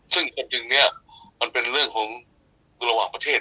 ซึ่งผมอย่างนี้มันเป็นเรื่องของระหว่างประเทศ